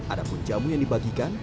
ada pun jamu yang dibagikan